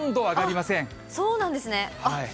そうなんですね。